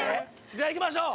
じゃあ行きましょう！